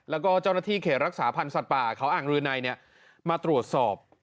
แล้วก็เจ้าหน้าที่เขตรักษาพันธ์สัตว์ป่าเขาอ่างรืนัยมาตรวจสอบ